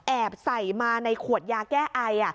แอบใส่มาในขวดยาแก้ไอ